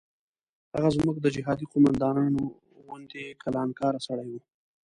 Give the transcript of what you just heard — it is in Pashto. هغه زموږ د جهادي قوماندانانو غوندې کلانکاره سړی و.